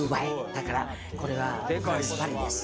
だからこれはフランスパリです。